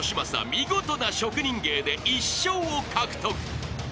見事な職人芸で１笑を獲得］